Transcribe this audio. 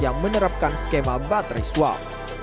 yang menerapkan skema baterai swab